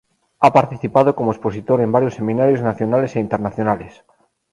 Ha participado como expositor en varios seminarios nacionales e internacionales.